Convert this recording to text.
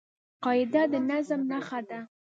قاعده د نظم نخښه ده.